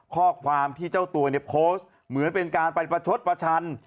ข้อความที่เจ้าตัวเนี่ยโพสต์เหมือนเป็นการไปประชดประชัน